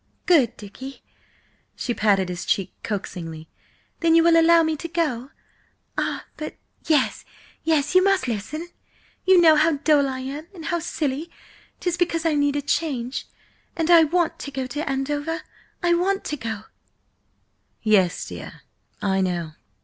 "Good Dicky!" She patted his cheek coaxingly. "Then you will allow me to go–ah, but yes, yes, you must listen! You know how dull I am, and how silly–'tis because I need a change, and I want to go to Andover. I want to go!" "Yes, dear, I know.